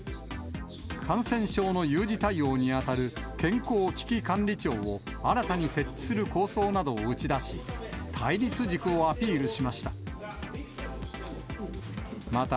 感染症の有事対応に当たる健康危機管理庁を新たに設置する構想などを打ち出し、対立軸をアピールしました。